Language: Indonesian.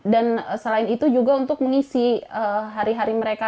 dan selain itu juga untuk mengisi hari hari mereka